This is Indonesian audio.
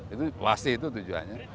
itu pasti itu tujuannya